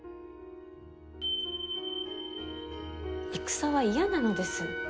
戦は嫌なのです。